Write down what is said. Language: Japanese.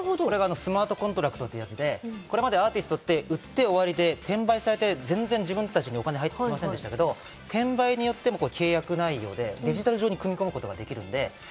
スマートコントラクトと言って、アーティストって売って終わりで、転売されて全然、自分たちにお金が入ってきませんでしたけど転売によっても契約内容でデジタル上に組み込むことができる。